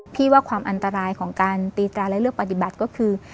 ว่าความอันตรายของการตีตราและเลือกปฏิบัติก็คือ